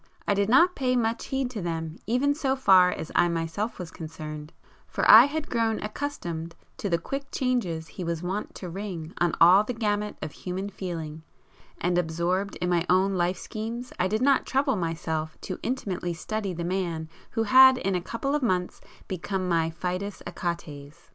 I did not pay much heed to them even so far as I myself was concerned, for I had grown accustomed to the quick changes he was wont to ring on all the gamut of human feeling, and absorbed in my own life schemes I did not trouble myself to intimately study the man who had in a couple of months become my fidus Achates.